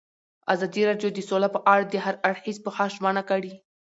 ازادي راډیو د سوله په اړه د هر اړخیز پوښښ ژمنه کړې.